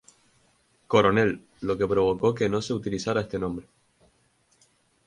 Coronel, lo que provocó que no se utilizara este nombre.